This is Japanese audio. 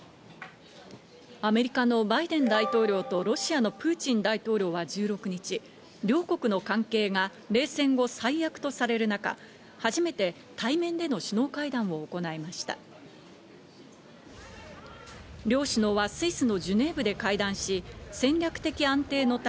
アメリカのバイデン大統領とロシアのプーチン大統領は１６日、両国の関係が冷戦後最悪とされる中、初めて対面での首脳会談を行いました。